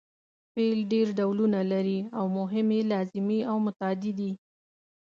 فعل ډېر ډولونه لري او مهم یې لازمي او متعدي دي.